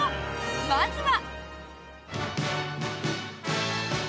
まずは。